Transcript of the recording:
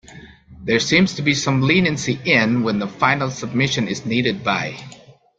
There seems to be some leniency in when the final submission is needed by.